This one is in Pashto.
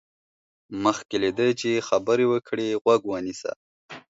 مخکې له دې چې خبرې وکړې، غوږ ونيسه.